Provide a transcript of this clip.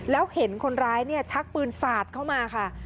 แล้วเห็นคนร้ายเนี่ยชักปืนสาดเข้ามาค่ะ